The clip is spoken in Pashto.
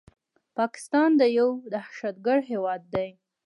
پاکستان يو دهشتګرد هيواد ده